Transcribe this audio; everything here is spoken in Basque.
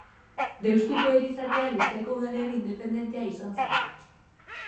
Deustuko Elizatea Bizkaiko udalerri independentea izan zen.